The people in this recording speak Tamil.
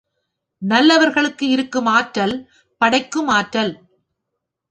நல்லவர்களுக்கு இருக்கும் ஆற்றல், படைக்கும் ஆற்றல்.